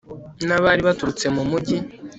n'abari baturutse mu mugi